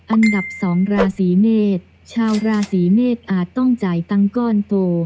อันดับสองราศรีเมทชาวราศรีเมทอาจต้องจ่ายตั้งก้อนโต